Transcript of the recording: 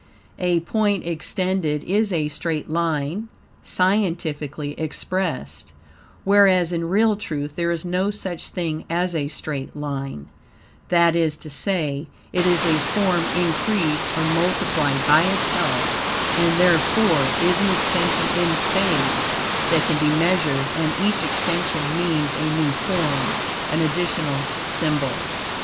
A point extended is a straight line, scientifically expressed (whereas in real truth there is no such thing as a straight line); that is to say, it is a form increased or multiplied by itself, and therefore, is an extension in space that can be measured, and each extension means a new form, an additional symbol.